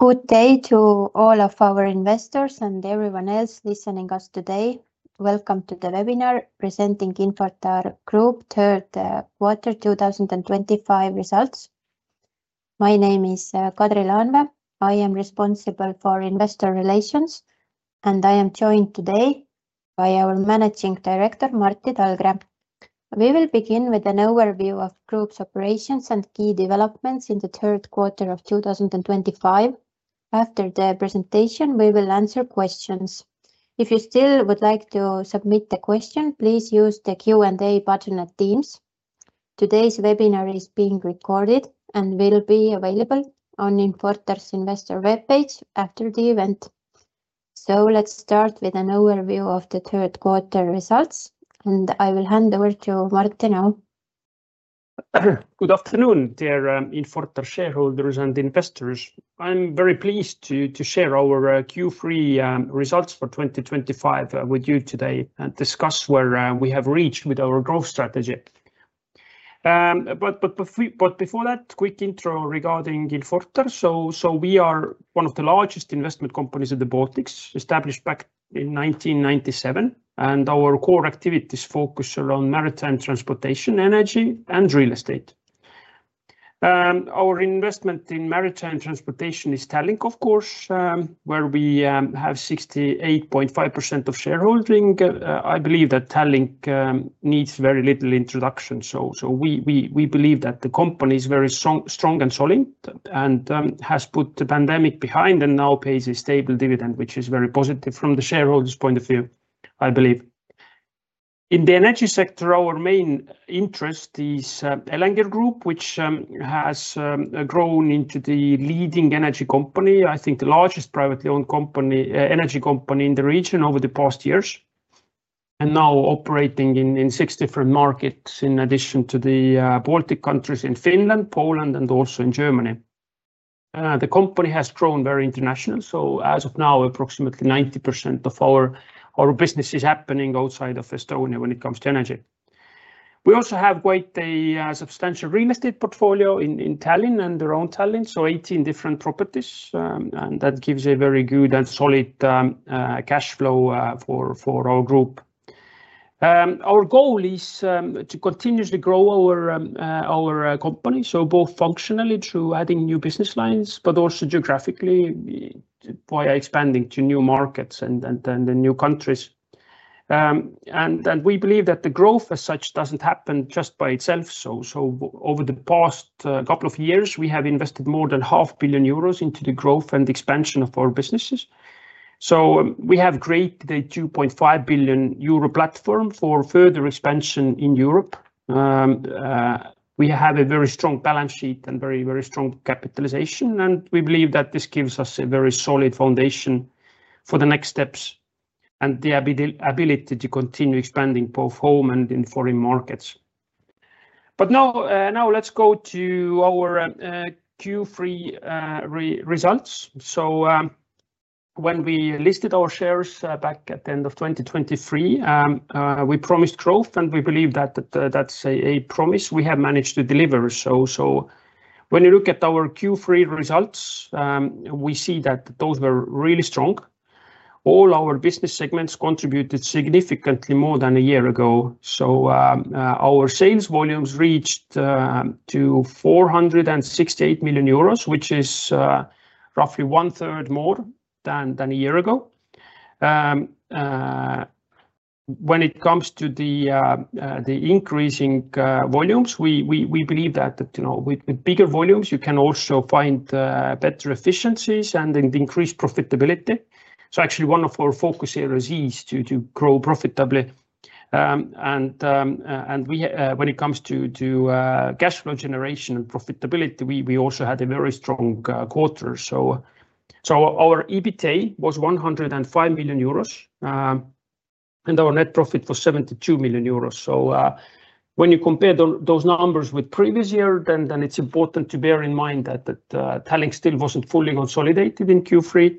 Good day to all of our investors and everyone else listening to us today. Welcome to the webinar presenting Infortar Group third quarter 2025 results. My name is Kadri Laanvee. I am responsible for investor relations, and I am joined today by our Managing Director, Martti Talgre. We will begin with an overview of group's operations and key developments in the third quarter of 2025. After the presentation, we will answer questions. If you still would like to submit a question, please use the Q&A button at Teams. Today's webinar is being recorded and will be available on Infortar's investor web page after the event. Let's start with an overview of the third quarter results, and I will hand over to Martti now. Good afternoon, dear Infortar shareholders and investors. I'm very pleased to share our Q3 results for 2025 with you today and discuss where we have reached with our growth strategy. Before that, quick intro regarding Infortar. We are one of the largest investment companies in the Baltics, established back in 1997, and our core activities focus around maritime transportation, energy, and real estate. Our investment in maritime transportation is Tallink, of course, where we have 68.5% of shareholding. I believe that Tallink needs very little introduction. We believe that the company is very strong and solid and has put the pandemic behind and now pays a stable dividend, which is very positive from the shareholders' point of view, I believe. In the energy sector, our main interest is Elenger Group, which has grown into the leading energy company, I think the largest privately owned energy company in the region over the past years. Now operating in six different markets in addition to the Baltic countries in Finland, Poland, and also in Germany. The company has grown very international. As of now, approximately 90% of our business is happening outside of Estonia when it comes to energy. We also have quite a substantial real estate portfolio in Tallinn and around Tallinn, so 18 different properties. That gives a very good and solid cash flow for our group. Our goal is to continuously grow our company, so both functionally through adding new business lines, but also geographically via expanding to new markets and new countries. We believe that the growth as such doesn't happen just by itself. Over the past couple of years, we have invested more than 500,000,000 euros into the growth and expansion of our businesses. We have created a 2.5 billion euro platform for further expansion in Europe. We have a very strong balance sheet and very, very strong capitalization. We believe that this gives us a very solid foundation for the next steps and the ability to continue expanding both home and in foreign markets. Now let's go to our Q3 results. When we listed our shares back at the end of 2023, we promised growth, and we believe that that's a promise we have managed to deliver. When you look at our Q3 results, we see that those were really strong. All our business segments contributed significantly more than a year ago. Our sales volumes reached 468,000,000 euros, which is roughly one third more than a year ago. When it comes to the increasing volumes, we believe that with bigger volumes, you can also find better efficiencies and increased profitability. Actually, one of our focus areas is to grow profitably. When it comes to cash flow generation and profitability, we also had a very strong quarter. Our EBITDA was 105,000,000 euros. Our net profit was 72,000,000 euros. When you compare those numbers with previous years, then it's important to bear in mind that Tallink still wasn't fully consolidated in Q3.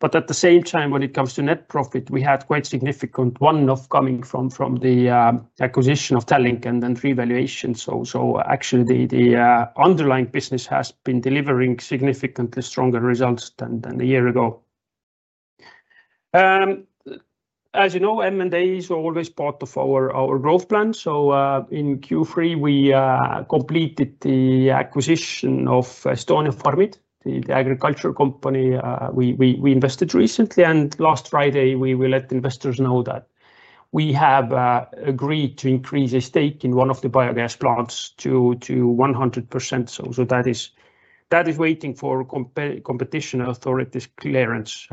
At the same time, when it comes to net profit, we had quite significant one-off coming from the acquisition of Tallink and then revaluation. Actually, the underlying business has been delivering significantly stronger results than a year ago. As you know, M&A is always part of our growth plan. In Q3, we completed the acquisition of Estonia Farmid, the agriculture company we invested recently. Last Friday, we let investors know that we have agreed to increase a stake in one of the biogas plants to 100%. That is waiting for competition authorities' clearance.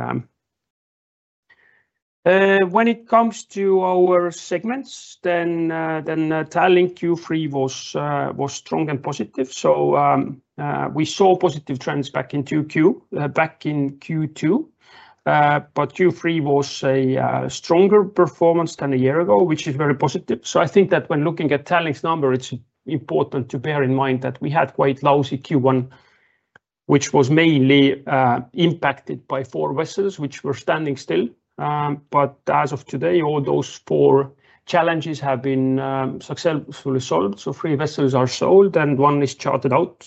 When it comes to our segments, Tallink Q3 was strong and positive. We saw positive trends back in Q2, but Q3 was a stronger performance than a year ago, which is very positive. I think that when looking at Tallink's number, it's important to bear in mind that we had quite lousy Q1, which was mainly impacted by four vessels which were standing still. As of today, all those four challenges have been successfully solved. Three vessels are sold, and one is chartered out.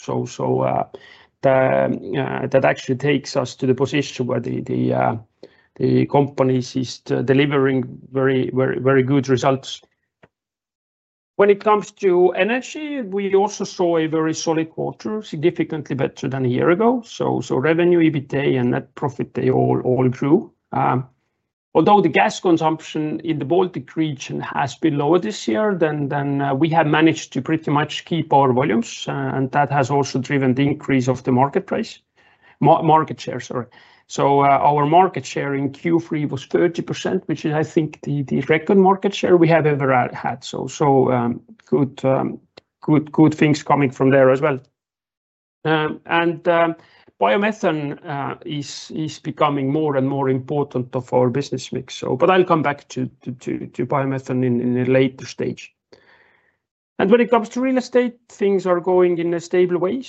That actually takes us to the position where the company is delivering very good results. When it comes to energy, we also saw a very solid quarter, significantly better than a year ago. Revenue, EBITDA, and net profit, they all grew. Although the gas consumption in the Baltic region has been lower this year, we have managed to pretty much keep our volumes, and that has also driven the increase of the market share. Our market share in Q3 was 30%, which is, I think, the record market share we have ever had. Good things coming from there as well. Biomethane is becoming more and more important of our business mix, but I'll come back to biomethane in a later stage. When it comes to real estate, things are going in a stable way.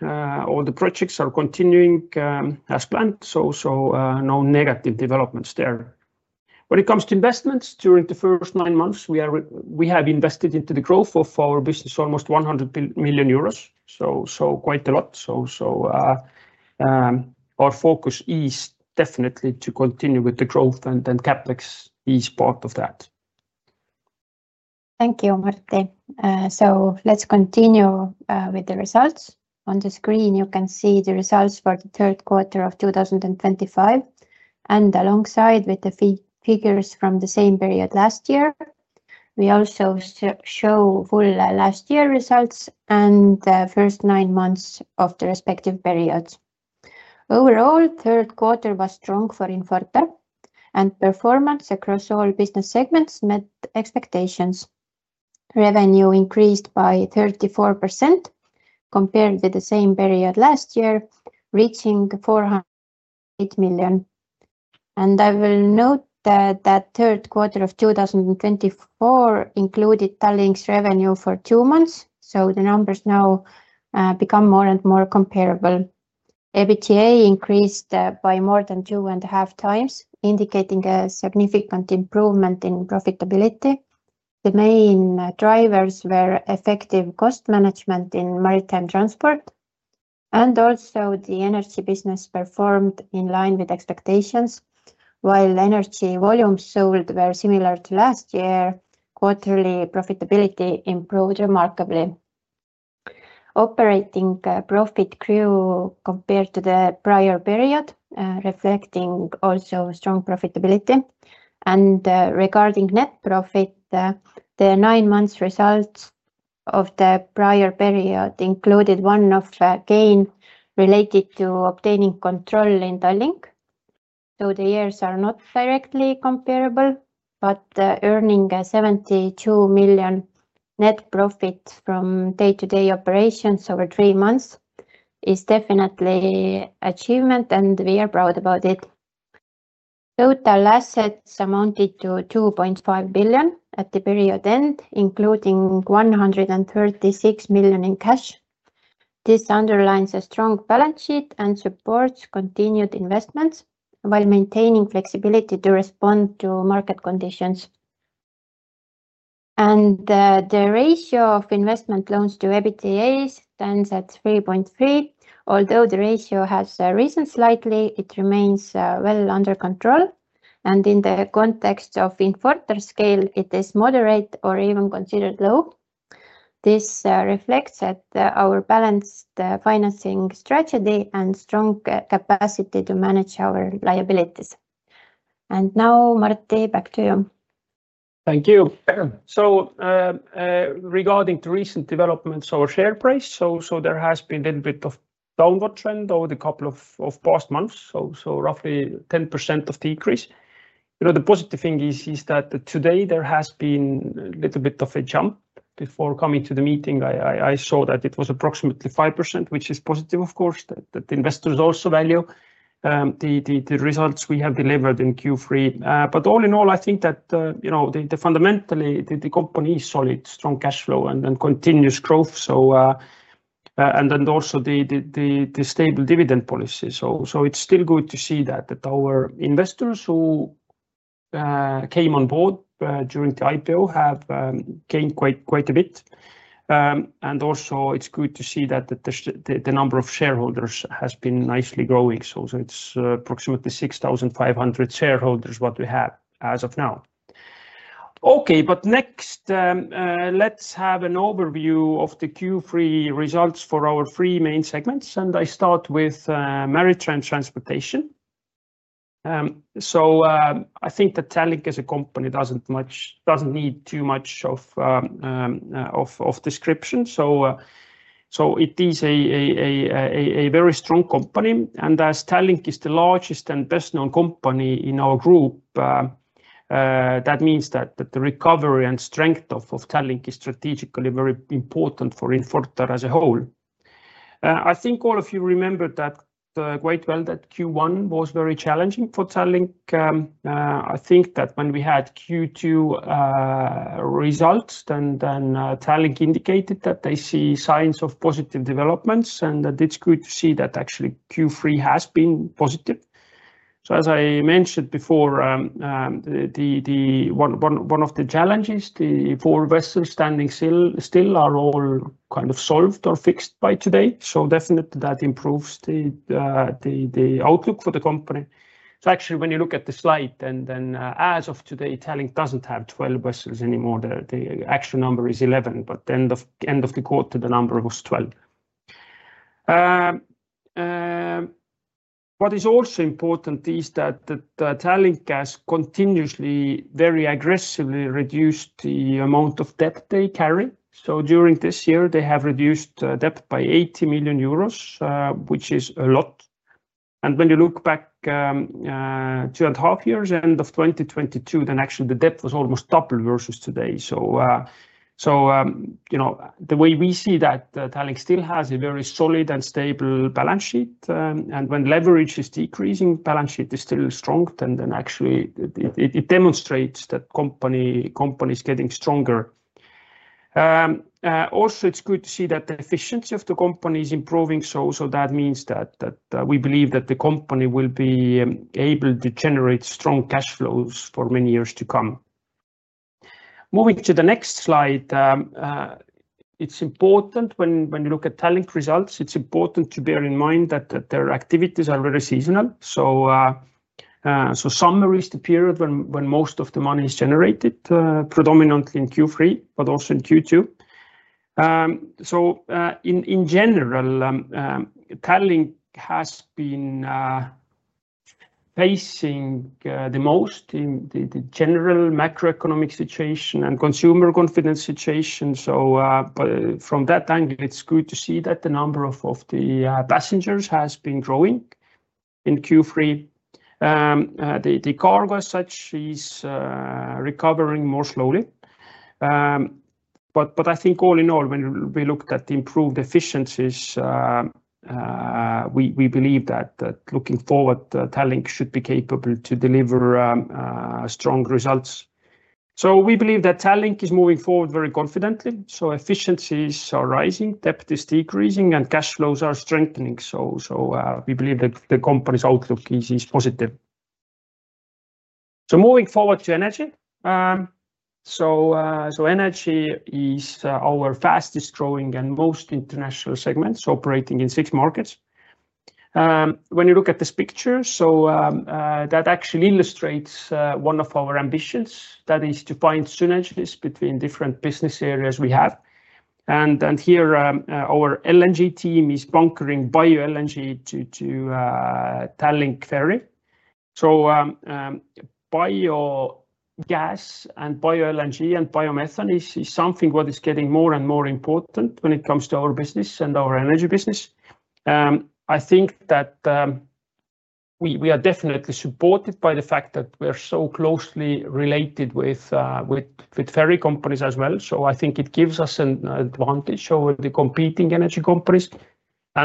All the projects are continuing as planned. No negative developments there. When it comes to investments, during the first nine months, we have invested into the growth of our business almost 100 million euros. Quite a lot. Our focus is definitely to continue with the growth, and then CapEx is part of that. Thank you, Martti. Let's continue with the results. On the screen, you can see the results for the third quarter of 2025. Alongside the figures from the same period last year, we also show full last year results and the first nine months of the respective periods. Overall, third quarter was strong for Infortar, and performance across all business segments met expectations. Revenue increased by 34% compared with the same period last year, reaching 408 million. I will note that the third quarter of 2024 included Tallink's revenue for two months, so the numbers now become more and more comparable. EBITDA increased by more than two and a half times, indicating a significant improvement in profitability. The main drivers were effective cost management in maritime transport, and also the energy business performed in line with expectations. While energy volumes sold were similar to last year, quarterly profitability improved remarkably. Operating profit grew compared to the prior period, reflecting also strong profitability. Regarding net profit, the nine months' results of the prior period included a one-off gain related to obtaining control in Tallink, so the years are not directly comparable, but earning 72 million net profit from day-to-day operations over three months is definitely an achievement, and we are proud about it. Total assets amounted to 2.5 billion at the period end, including 136 million in cash. This underlines a strong balance sheet and supports continued investments while maintaining flexibility to respond to market conditions. The ratio of investment loans to EBITDA stands at 3.3. Although the ratio has risen slightly, it remains well under control. In the context of Infortar scale, it is moderate or even considered low. This reflects our balanced financing strategy and strong capacity to manage our liabilities. Martti, back to you. Thank you. So. Regarding the recent developments of our share price, there has been a little bit of a downward trend over the past couple of months, so roughly 10% of decrease. The positive thing is that today there has been a little bit of a jump. Before coming to the meeting, I saw that it was approximately 5%, which is positive, of course, that investors also value. The results we have delivered in Q3. All in all, I think that fundamentally, the company is solid, strong cash flow, and continuous growth. Also, the stable dividend policy. It's still good to see that our investors who came on board during the IPO have gained quite a bit. Also, it's good to see that the number of shareholders has been nicely growing. It's approximately 6,500 shareholders that we have as of now. Okay, next, let's have an overview of the Q3 results for our three main segments. I start with maritime transportation. I think that Tallink as a company does not need too much description. It is a very strong company. As Tallink is the largest and best-known company in our group, that means that the recovery and strength of Tallink is strategically very important for Infortar as a whole. I think all of you remember quite well that Q1 was very challenging for Tallink. When we had Q2 results, then Tallink indicated that they see signs of positive developments. It's good to see that actually Q3 has been positive. As I mentioned before, one of the challenges, the four vessels standing still, are all kind of solved or fixed by today. Definitely that improves the outlook for the company. Actually, when you look at the slide, as of today, Tallink does not have 12 vessels anymore. The actual number is 11, but at the end of the quarter, the number was 12. What is also important is that Tallink has continuously, very aggressively reduced the amount of debt they carry. During this year, they have reduced debt by 80 million euros, which is a lot. When you look back two and a half years, end of 2022, then actually the debt was almost double versus today. The way we see that, Tallink still has a very solid and stable balance sheet. When leverage is decreasing, balance sheet is still strong. Actually, it demonstrates that the company is getting stronger. Also, it's good to see that the efficiency of the company is improving. That means that we believe that the company will be able to generate strong cash flows for many years to come. Moving to the next slide. It's important when you look at Tallink results, it's important to bear in mind that their activities are very seasonal. Summarize the period when most of the money is generated, predominantly in Q3, but also in Q2. In general, Tallink has been facing the most in the general macroeconomic situation and consumer confidence situation. From that angle, it's good to see that the number of the passengers has been growing in Q3. The cargo as such is recovering more slowly. I think all in all, when we looked at improved efficiencies, we believe that looking forward, Tallink should be capable to deliver strong results. We believe that Tallink is moving forward very confidently. Efficiencies are rising, debt is decreasing, and cash flows are strengthening. We believe that the company's outlook is positive. Moving forward to energy, energy is our fastest growing and most international segment, operating in six markets. When you look at this picture, that actually illustrates one of our ambitions, that is to find synergies between different business areas we have. Here our LNG team is bunkering Bio-LNG to Tallink ferry. Bio-gas and Bio-LNG and biomethane is something what is getting more and more important when it comes to our business and our energy business. I think that we are definitely supported by the fact that we are so closely related with ferry companies as well. I think it gives us an advantage over the competing energy companies.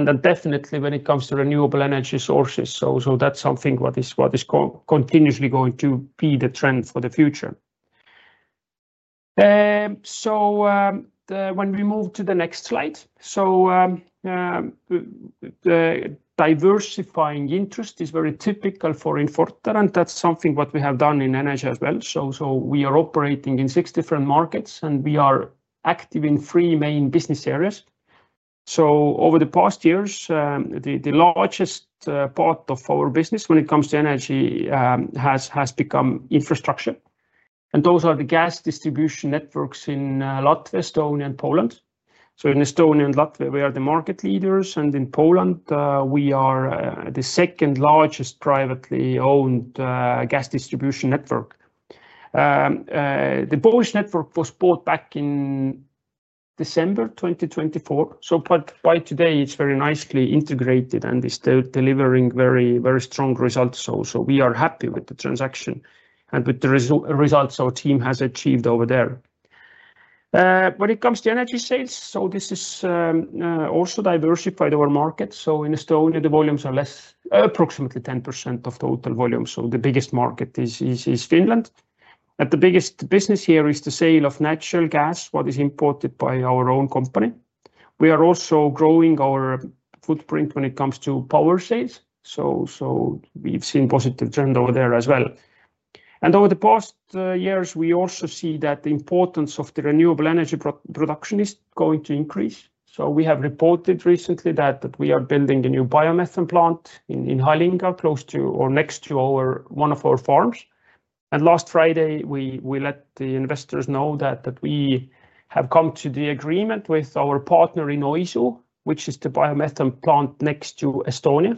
Definitely when it comes to renewable energy sources, that's something what is continuously going to be the trend for the future. When we move to the next slide, diversifying interest is very typical for Infortar, and that's something what we have done in energy as well. We are operating in six different markets, and we are active in three main business areas. Over the past years, the largest part of our business when it comes to energy has become infrastructure. Those are the gas distribution networks in Latvia, Estonia, and Poland. In Estonia and Latvia, we are the market leaders. In Poland, we are the second largest privately owned gas distribution network. The Polish network was bought back in December 2024. By today, it's very nicely integrated and is delivering very strong results. We are happy with the transaction and with the results our team has achieved over there. When it comes to energy sales, this is also diversified our market. In Estonia, the volumes are less, approximately 10% of total volume. The biggest market is Finland. The biggest business here is the sale of natural gas, what is imported by our own company. We are also growing our footprint when it comes to power sales. We've seen positive trend over there as well. Over the past years, we also see that the importance of the renewable energy production is going to increase. We have reported recently that we are building a new biomethane plant in Harlingen close to or next to one of our farms. Last Friday, we let the investors know that we have come to the agreement with our partner in Oisu, which is the biomethane plant next to Estonia,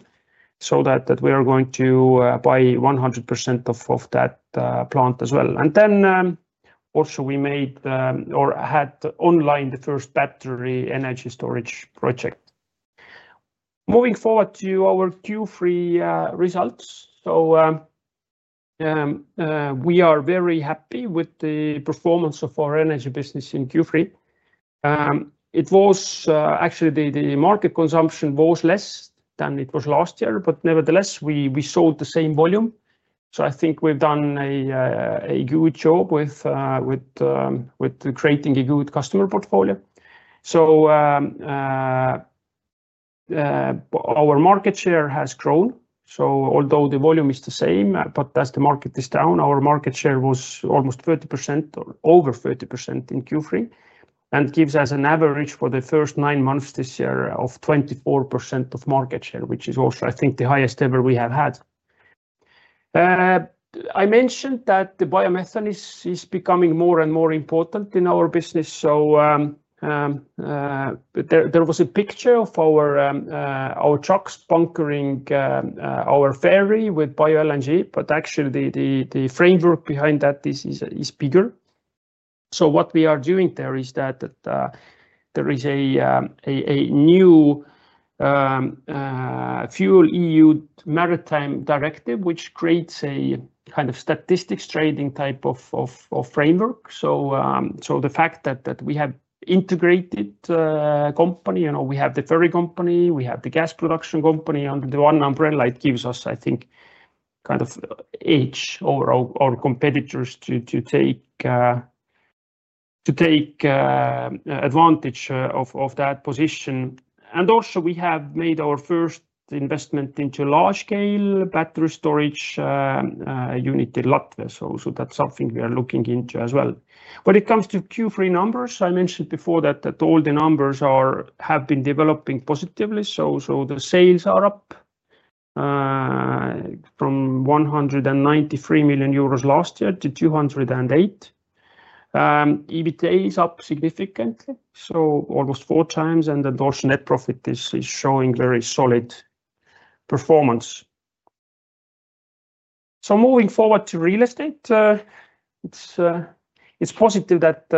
so that we are going to buy 100% of that plant as well. Also, we made or had online the first battery energy storage project. Moving forward to our Q3 results. We are very happy with the performance of our energy business in Q3. Actually, the market consumption was less than it was last year, but nevertheless, we sold the same volume. I think we've done a good job with creating a good customer portfolio. Our market share has grown. Although the volume is the same, as the market is down, our market share was almost 30%, over 30% in Q3, and gives us an average for the first nine months this year of 24% of market share, which is also, I think, the highest ever we have had. I mentioned that the biomethane is becoming more and more important in our business. There was a picture of our trucks bunkering our ferry with Bio-LNG, but actually the framework behind that is bigger. What we are doing there is that there is a new Fuel EU Maritime Directive, which creates a kind of statistics trading type of framework. The fact that we have integrated a company, we have the ferry company, we have the gas production company under the one umbrella, it gives us, I think, kind of edge over our competitors to take advantage of that position. Also, we have made our first investment into large-scale battery storage unit in Latvia. That's something we are looking into as well. When it comes to Q3 numbers, I mentioned before that all the numbers have been developing positively. The sales are up from 193 million euros last year to 208 million. EBITDA is up significantly, so almost four times. The net profit is showing very solid performance. Moving forward to real estate. It's positive that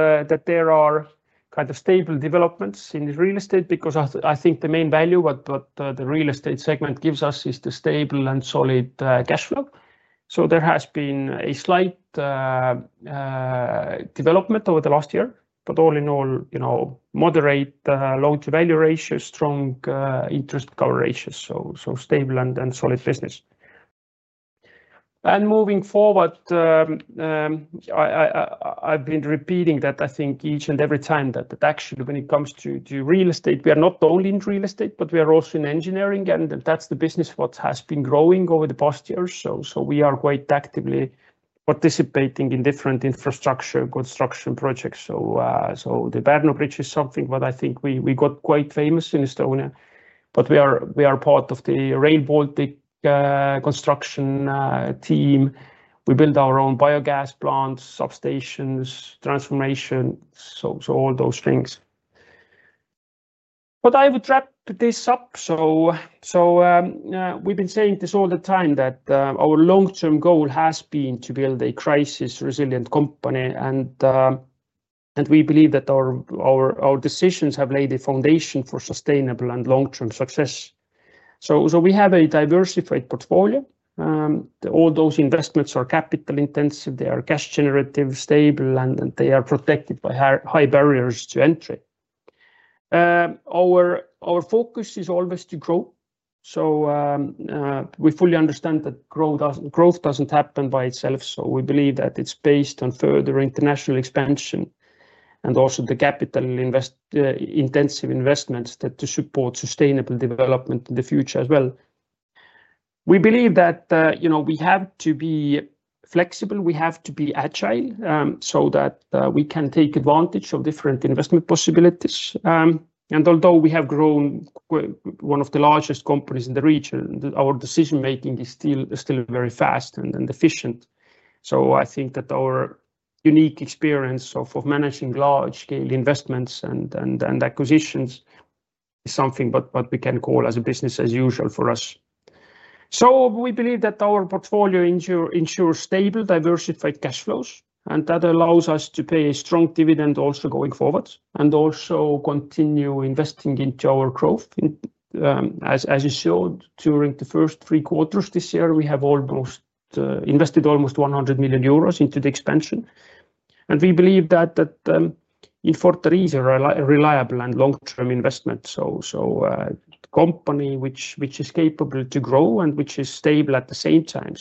there are kind of stable developments in real estate because I think the main value what the real estate segment gives us is the stable and solid cash flow. There has been a slight development over the last year, but all in all, moderate loan-to-value ratios, strong interest cover ratios, so stable and solid business. Moving forward, I've been repeating that I think each and every time that actually when it comes to real estate, we are not only in real estate, but we are also in engineering. That's the business what has been growing over the past years. We are quite actively participating in different infrastructure construction projects. The Berne Bridge is something what I think we got quite famous in Estonia. We are part of the Rail Baltica construction team. We build our own biogas plants, substations, transformation, so all those things. I would wrap this up. We've been saying this all the time that our long-term goal has been to build a crisis-resilient company. We believe that our decisions have laid the foundation for sustainable and long-term success. We have a diversified portfolio. All those investments are capital-intensive. They are cash-generative, stable, and they are protected by high barriers to entry. Our focus is always to grow. We fully understand that growth doesn't happen by itself. We believe that it's based on further international expansion and also the capital-intensive investments to support sustainable development in the future as well. We believe that we have to be flexible. We have to be agile so that we can take advantage of different investment possibilities. Although we have grown one of the largest companies in the region, our decision-making is still very fast and efficient. I think that our unique experience of managing large-scale investments and acquisitions is something what we can call as a business as usual for us. We believe that our portfolio ensures stable, diversified cash flows. That allows us to pay a strong dividend also going forward and also continue investing into our growth. As you saw during the first three quarters this year, we have invested almost 100 million euros into the expansion. We believe that Infortar is a reliable and long-term investment. A company which is capable to grow and which is stable at the same time.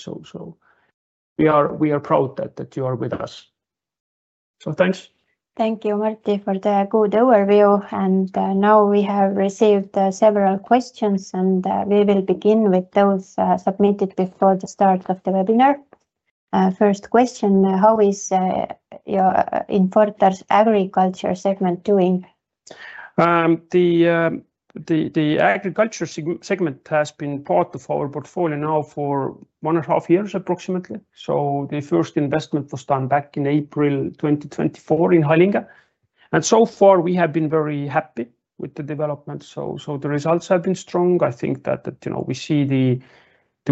We are proud that you are with us. Thanks. Thank you, Martti, for the good overview. Now we have received several questions, and we will begin with those submitted before the start of the webinar. First question, how is Infortar's agriculture segment doing? The agriculture segment has been part of our portfolio now for one and a half years, approximately. The first investment was done back in April 2024 in Harlingen. So far, we have been very happy with the development. The results have been strong. I think that we see the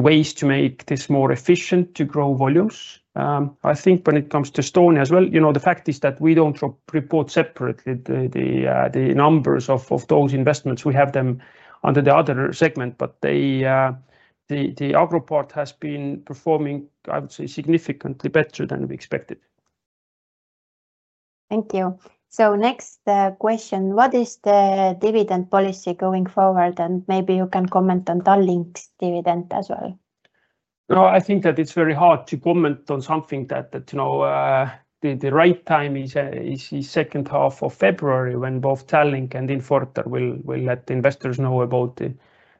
ways to make this more efficient to grow volumes. I think when it comes to Estonia as well, the fact is that we don't report separately the numbers of those investments. We have them under the other segment, but the agro part has been performing, I would say, significantly better than we expected. Thank you. Next question, what is the dividend policy going forward? Maybe you can comment on Tallink's dividend as well. I think that it's very hard to comment on something that the right time is second half of February when both Tallink and Infortar will let investors know about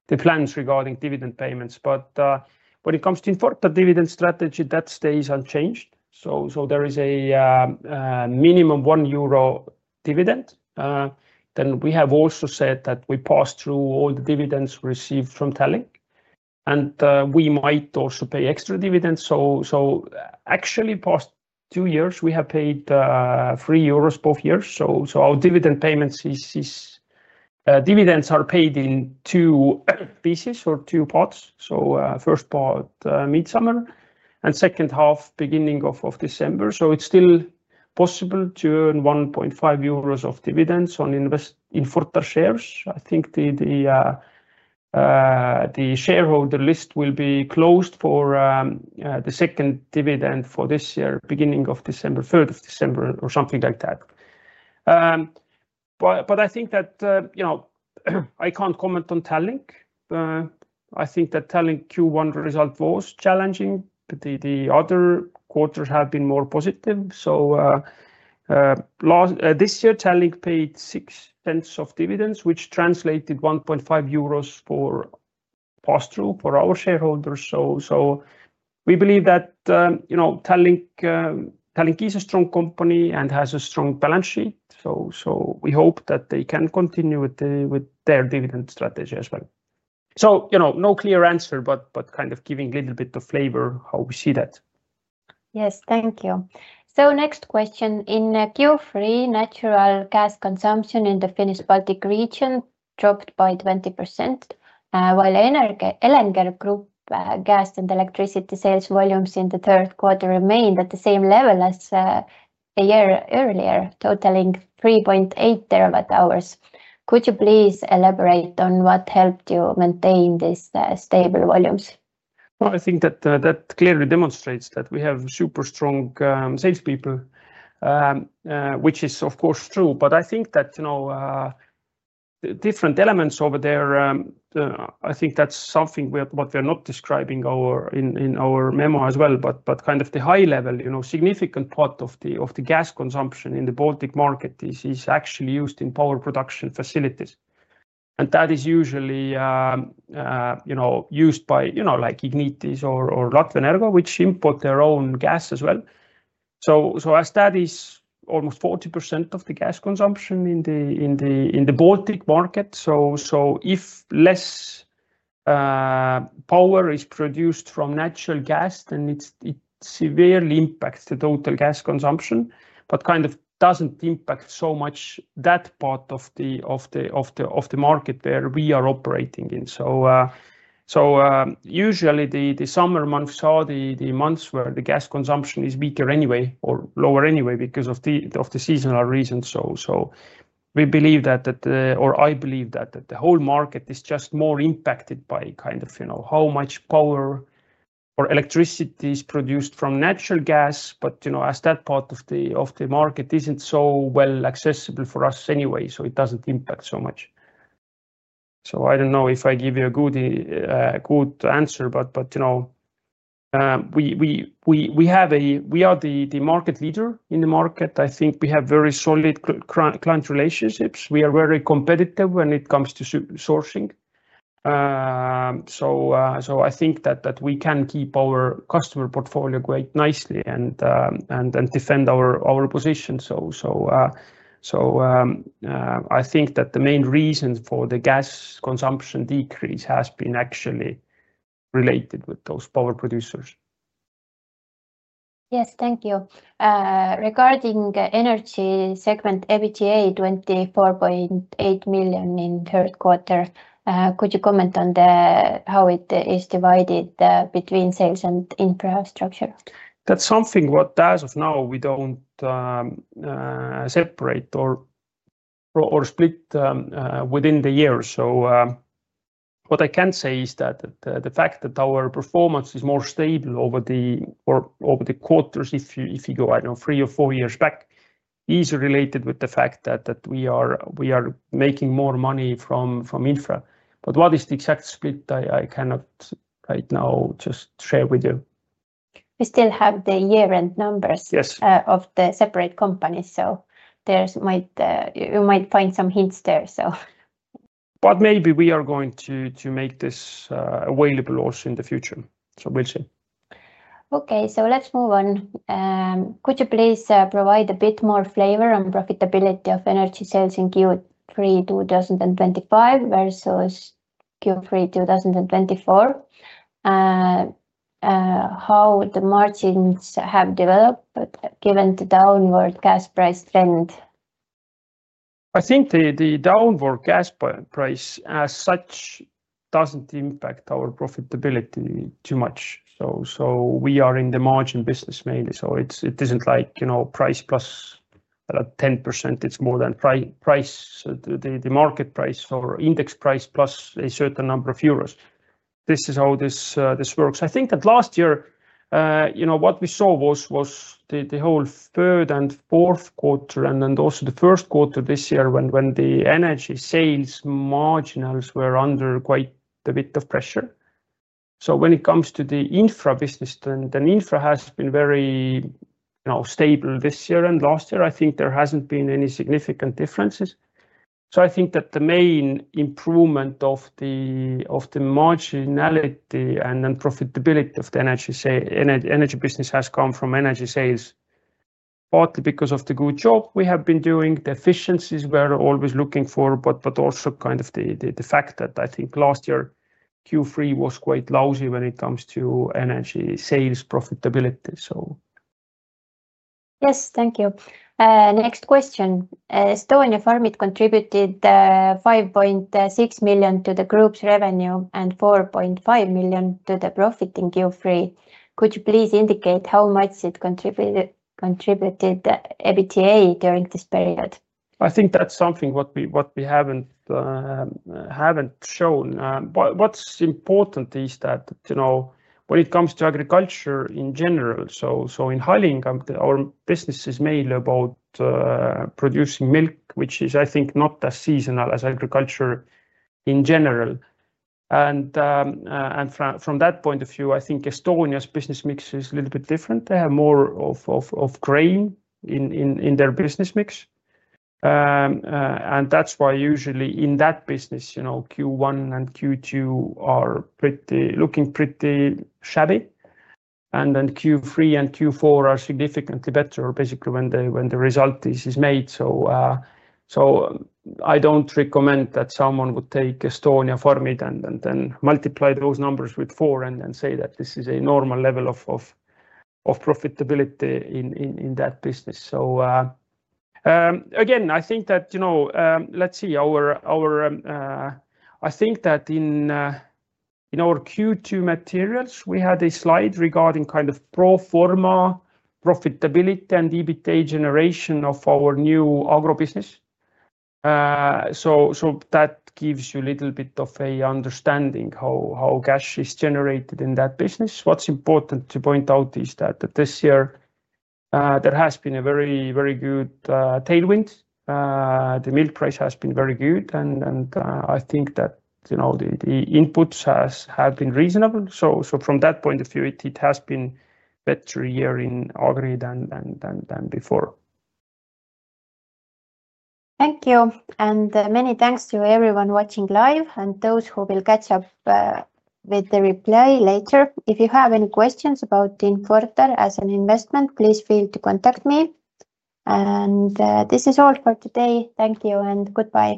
the plans regarding dividend payments. When it comes to Infortar dividend strategy, that stays unchanged. There is a minimum 1 euro dividend. We have also said that we pass through all the dividends received from Tallink. We might also pay extra dividends. Actually, past two years, we have paid 3 euros both years. Our dividend payments are paid in two pieces or two parts. First part mid-summer and second half beginning of December. It is still possible to earn 1.5 euros of dividends on Infortar shares. I think the shareholder list will be closed for the second dividend for this year, beginning of December, 3rd of December, or something like that. I cannot comment on Tallink. I think that Tallink Q1 result was challenging. The other quarters have been more positive. This year, Tallink paid 0.06 of dividends, which translated 1.5 euros for pass-through for our shareholders. We believe that Tallink is a strong company and has a strong balance sheet. We hope that they can continue with their dividend strategy as well. No clear answer, but kind of giving a little bit of flavor how we see that. Yes, thank you. Next question. In Q3, natural gas consumption in the Finnish Baltic region dropped by 20%. While Elenger Group gas and electricity sales volumes in the third quarter remained at the same level as a year earlier, totaling 3.8 terawatt hours. Could you please elaborate on what helped you maintain these stable volumes? I think that clearly demonstrates that we have super strong salespeople, which is, of course, true. I think that different elements over there, I think that is something we are not describing in our memo as well, but kind of the high level, significant part of the gas consumption in the Baltic market is actually used in power production facilities. That is usually used by Ignitis or Latvenergo, which import their own gas as well. As that is almost 40% of the gas consumption in the Baltic market, if less power is produced from natural gas, then it severely impacts the total gas consumption, but does not impact so much that part of the market where we are operating in. Usually the summer months are the months where the gas consumption is weaker anyway or lower anyway because of the seasonal reasons. We believe that, or I believe that the whole market is just more impacted by how much power or electricity is produced from natural gas, but as that part of the market is not so well accessible for us anyway, it does not impact so much. I do not know if I give you a good answer, but we are the market leader in the market. I think we have very solid client relationships. We are very competitive when it comes to sourcing. I think that we can keep our customer portfolio quite nicely and defend our position. I think that the main reason for the gas consumption decrease has been actually related with those power producers. Yes, thank you. Regarding energy segment, EBITDA 24.8 million in third quarter, could you comment on how it is divided between sales and infrastructure? That's something what as of now we don't separate or split within the year. What I can say is that the fact that our performance is more stable over the quarters, if you go three or four years back, is related with the fact that we are making more money from infra. What is the exact split, I cannot right now just share with you. We still have the year-end numbers of the separate companies, so you might find some hints there. Maybe we are going to make this available also in the future, so we'll see. Okay, let's move on. Could you please provide a bit more flavor on profitability of energy sales in Q3 2025 versus Q3 2024? How the margins have developed given the downward gas price trend? I think the downward gas price as such doesn't impact our profitability too much. We are in the margin business mainly. It isn't like price plus 10%, it's more than price, the market price or index price plus a certain number of euros. This is how this works. I think that last year, what we saw was the whole third and fourth quarter and also the first quarter this year when the energy sales marginals were under quite a bit of pressure. When it comes to the infra business, then infra has been very stable this year and last year. I think there hasn't been any significant differences. I think that the main improvement of the marginality and profitability of the energy business has come from energy sales. Partly because of the good job we have been doing, the efficiencies we're always looking for, but also kind of the fact that I think last year Q3 was quite lousy when it comes to energy sales profitability. Yes, thank you. Next question. Estonia Farmit contributed 5.6 million to the group's revenue and 4.5 million to the profit in Q3. Could you please indicate how much it contributed EBITDA during this period? I think that's something what we haven't shown. What's important is that when it comes to agriculture in general, in Harlingen, our business is mainly about producing milk, which is, I think, not as seasonal as agriculture in general. From that point of view, I think Estonia's business mix is a little bit different. They have more of grain in their business mix. That's why usually in that business Q1 and Q2 are looking pretty shabby, and then Q3 and Q4 are significantly better, basically, when the result is made. I don't recommend that someone would take Estonia Farmit and then multiply those numbers with four and then say that this is a normal level of profitability in that business. Again, I think that. Let's see. I think that in. In our Q2 materials, we had a slide regarding kind of pro forma profitability and EBITDA generation of our new agribusiness. That gives you a little bit of an understanding how cash is generated in that business. What's important to point out is that this year, there has been a very good tailwind. The milk price has been very good. I think that the inputs have been reasonable. From that point of view, it has been a better year in agri than before. Thank you. Many thanks to everyone watching live and those who will catch up with the replay later. If you have any questions about Infortar as an investment, please feel free to contact me. This is all for today. Thank you and goodbye.